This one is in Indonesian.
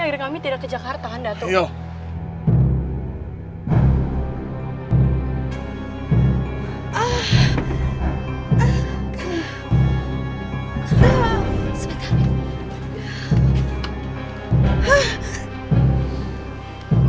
agar kami tidak ke jakartaan dato'